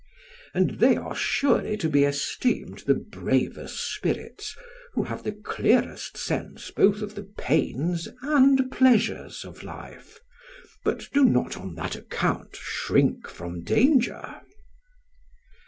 And they are surely to be esteemed the bravest spirits who have the clearest sense both of the pains and pleasures of life, but do not on that account shrink from danger.